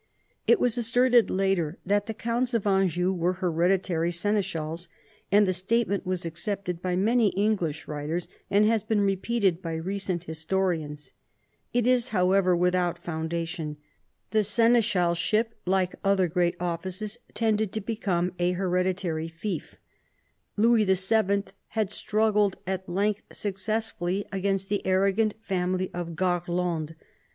It was asserted later that the counts of Anjou were hereditary seneschals, and the statement was accepted by many English writers, and has been repeated by recent historians. It is, however, without foundation. The seneschalship, like other great offices, tended to become a hereditary fief. Louis VII. had struggled, at length successfully, against the arrogant family of Garlande.